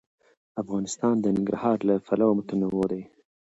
افغانستان د ننګرهار له پلوه متنوع دی.